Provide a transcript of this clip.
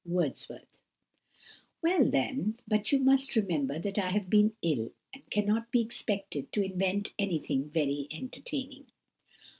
WORDSWORTH. "WELL then; but you must remember that I have been ill, and cannot be expected to invent anything very entertaining."